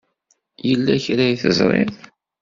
Yella kra i teẓṛiḍ?